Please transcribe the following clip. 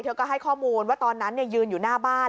ก็ให้ข้อมูลว่าตอนนั้นยืนอยู่หน้าบ้าน